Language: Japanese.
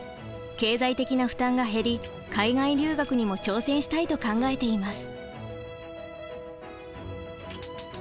経済的な負担が減り海外留学にも挑戦したいと考えています。